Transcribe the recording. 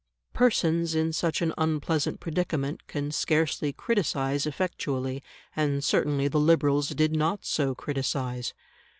Persons in such an unpleasant predicament can scarcely criticise effectually, and certainly the Liberals did not so criticise.